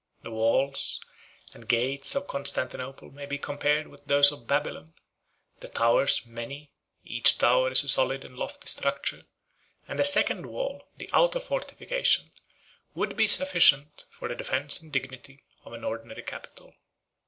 The walls and gates of Constantinople may be compared with those of Babylon: the towers many; each tower is a solid and lofty structure; and the second wall, the outer fortification, would be sufficient for the defence and dignity of an ordinary capital.